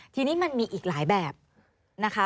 ทีนี้มันมีอีกหลายแบบนะคะ